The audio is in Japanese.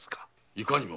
いかにも。